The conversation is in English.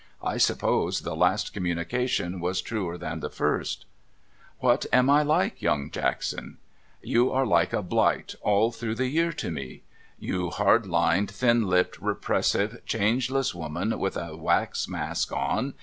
I suppose the last communica tion was truer than the first !'' ^Vhat am I like, Young Jackson ?'* You are like a blight all through the year to me. You hard lined, thin lipped, repressive, changeless woman with a wax mask on.